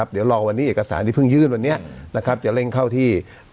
เดี๋ยวรอวันนี้เอกสารที่เพิ่งยื่นวันนี้จะเร่งเข้าที่